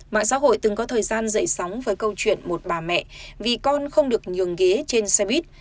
mạng xã hội từng có thời gian dậy sóng với câu chuyện một bà mẹ vì con không được nhường ghế trên xe buýt